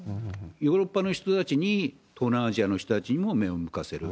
ヨーロッパの人たちに、東南アジアの人たちにも目を向かせる。